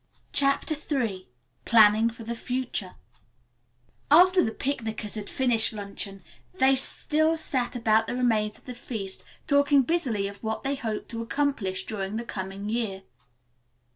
CHAPTER III PLANNING FOR THE FUTURE After the picnickers had finished luncheon they still sat about the remains of the feast, talking busily of what they hoped to accomplish during the coming year.